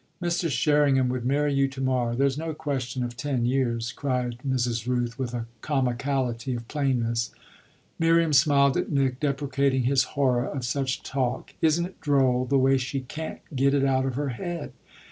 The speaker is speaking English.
"Mr. Sherringham would marry you to morrow there's no question of ten years!" cried Mrs. Rooth with a comicality of plainness. Miriam smiled at Nick, deprecating his horror of such talk. "Isn't it droll, the way she can't get it out of her head?"